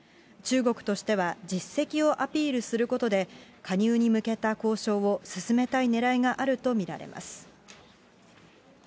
中国としては、実績をアピールすることで、加入に向けた交渉を進めたいねらいがあると見られます。